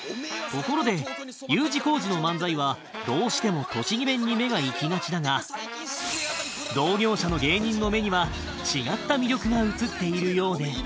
ところで Ｕ 字工事の漫才はどうしても栃木弁に目がいきがちだが同業者の芸人の目には違った魅力が映っているようで